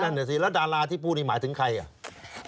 น่ะสิแล้วดาราที่พูดนี่หมายถึงใครอ่ะ